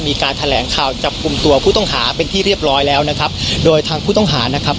มีการแถลงข่าวจับกลุ่มตัวผู้ต้องหาเป็นที่เรียบร้อยแล้วนะครับโดยทางผู้ต้องหานะครับ